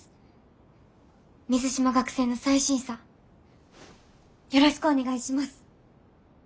水島学生の再審査よろしくお願いします。